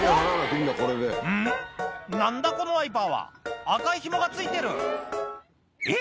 何だこのワイパーは赤いひもが付いてるえっ？